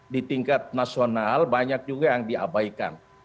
di tingkat nasional banyak juga yang diabaikan